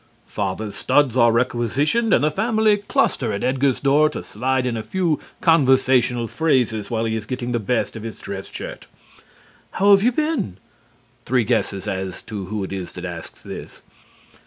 Father's studs are requisitioned and the family cluster at Edgar's door to slide in a few conversational phrases while he is getting the best of his dress shirt. "How have you been?" (Three guesses as to who it is that asks this.)